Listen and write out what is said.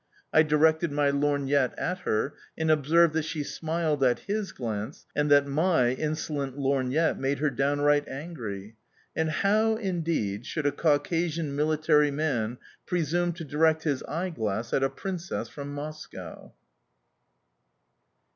I directed my lorgnette at her, and observed that she smiled at his glance and that my insolent lorgnette made her downright angry. And how, indeed, should a Caucasian military man presume to direct his eyeglass at a princess from Moscow?...